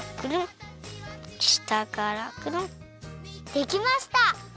できました！